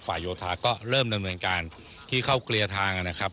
โยธาก็เริ่มดำเนินการที่เข้าเคลียร์ทางนะครับ